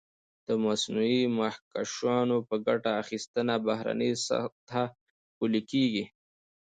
د مصنوعي مخکشونو په ګټه اخیستنه بهرنۍ سطحه ښکلې کېږي.